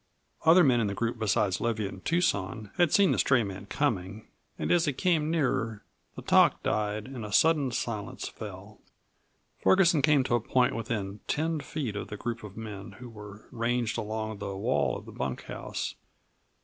Other men in the group, besides Leviatt and Tucson, had seen the stray man coming, and as he came nearer, the talk died and a sudden silence fell. Ferguson came to a point within ten feet of the group of men, who were ranged along the wall of the bunkhouse.